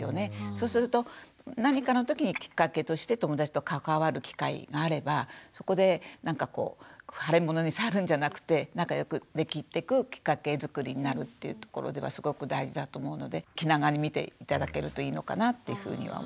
そうすると何かの時にきっかけとして友だちと関わる機会があればそこでなんかこう腫れ物に触るんじゃなくて仲良くできてくきっかけづくりになるというところではすごく大事だと思うので気長に見て頂けるといいのかなっていうふうには思います。